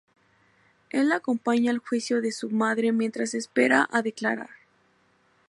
Él la acompaña al juicio de su madre mientras espera a declarar.